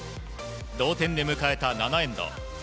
同点で迎えた７エンド。